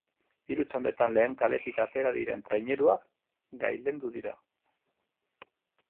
Hiru txandetan lehen kaletik atera diren traineruak gailendu dira.